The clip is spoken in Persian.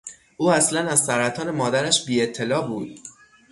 او اصلا از سرطان مادرش بیاطلاع بود.